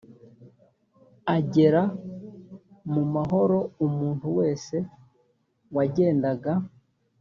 agera mu mahoro umuntu wese wagendaga